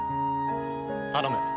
頼む。